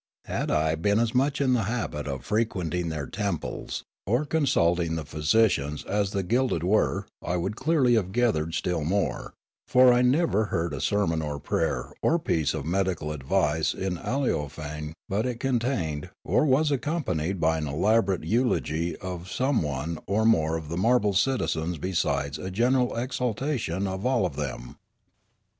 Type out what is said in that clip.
Had I been as much in the habit of frequenting their temples or consulting the physicians as the gilded were, I would clearl}' have gathered still more, for I never heard a sermon or prayer or piece of medical advice in Aleofane but it contained or was accompanied by an elaborate eulogy of some one or more of the marble citizens be sides a general exaltation of all of them.